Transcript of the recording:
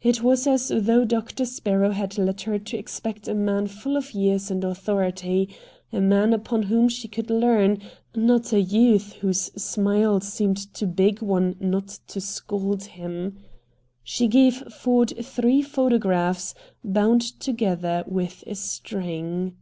It was as though Doctor Sparrow had led her to expect a man full of years and authority, a man upon whom she could lean; not a youth whose smile seemed to beg one not to scold him. She gave Ford three photographs, bound together with a string.